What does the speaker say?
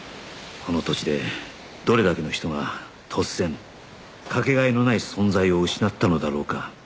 この土地でどれだけの人が突然かけがえのない存在を失ったのだろうか